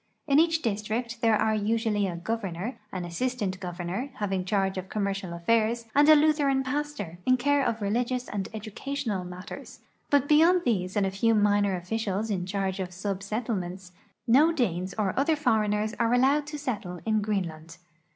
In each district there are usually a gov ernor, an assistant governor, having charge of commercial all'aii's, and a lAitheran pastor, in care of religious and educational mat ters, but beyond these and a few minor officials in charge of sub settlements, no Danes or other foreigners are allowed to settle in Greenland.